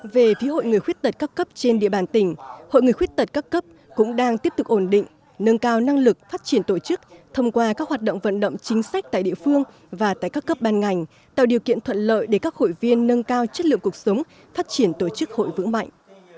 về phía hội người khuyết tật các cấp trên địa bàn tỉnh hội người khuyết tật các cấp cũng đang tiếp tục ổn định nâng cao năng lực phát triển tổ chức thông qua các hoạt động vận động chính sách tại địa phương và tại các cấp ban ngành tạo điều kiện thuận lợi để các hội viên nâng cao chất lượng cuộc sống phát triển tổ chức hội vững mạnh